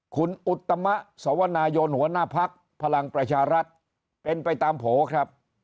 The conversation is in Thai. คุณอุตมะสวนายนหัวหน้าพักพลังประชารัฐเป็นไปตามโผล่ครับ